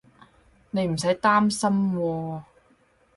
你唔使擔心喎